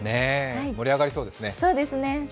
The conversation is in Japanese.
盛り上がりそうですね。